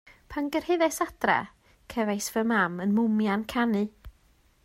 Pan gyrhaeddais adre, cefais fy mam yn mwmian canu.